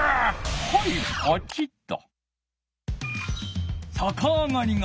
はいポチッと。